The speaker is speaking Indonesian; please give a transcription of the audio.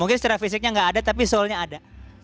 mungkin secara fisiknya gak ada tapi soulnya ada